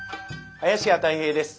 林家たい平です。